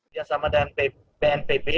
bersama dengan bnpb